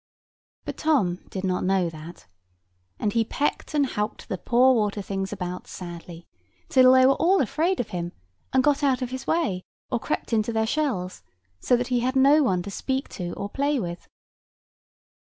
But Tom did not know that; and he pecked and howked the poor water things about sadly, till they were all afraid of him, and got out of his way, or crept into their shells; so he had no one to speak to or play with.